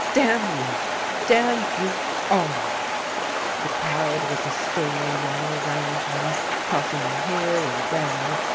' Damn you ! damn you all !' The crowd was a storm all round him, tossing him here and there.